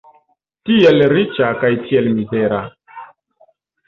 Tiel riĉa kaj tiel mizera!